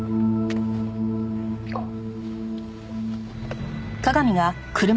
行こう。